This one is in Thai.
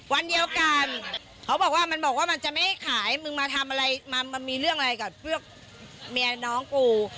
วันเดียวกันเขาบอกว่ามันบอกว่ามันจะไม่ให้ขายมึงมาทำอะไรมามันมีเรื่องอะไรกับพวกเมียน้องกู